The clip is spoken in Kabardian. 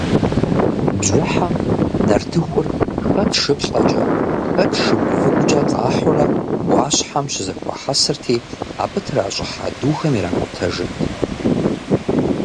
Бжьыхьэм нартыхур, хэт шыплӏэкӏэ, хэт шыгу-выгукӏэ къахьурэ ӏуащхьэм щызэхуахьэсырти, абы тращӏыхьа духэм иракӏутэжырт.